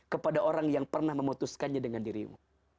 kepada orang yang pernah memutuskannya dengan dirimu